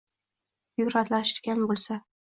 byurokratlashgan bo‘lsa